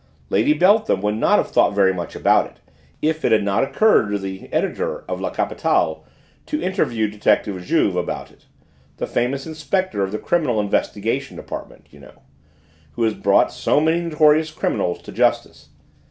Lady Beltham would not have thought very much about it, if it had not occurred to the editor of La Capitale to interview detective Juve about it, the famous Inspector of the Criminal Investigation Department, you know, who has brought so many notorious criminals to justice.